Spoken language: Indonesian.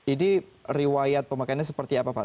ini riwayat pemakaiannya seperti apa pak